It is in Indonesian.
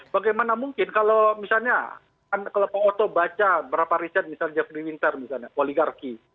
bagaimana mungkin kalau misalnya kalau pengoto baca beberapa riset misalnya jeffrey winter poligarki